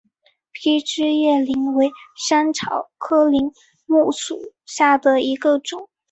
披针叶柃为山茶科柃木属下的一个种。